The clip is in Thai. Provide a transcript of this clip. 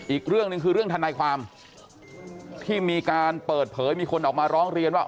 อีกเรื่องหนึ่งคือเรื่องทนายความที่มีการเปิดเผยมีคนออกมาร้องเรียนว่า